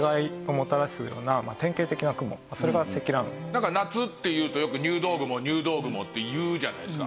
なんか夏っていうとよく「入道雲入道雲」って言うじゃないですか。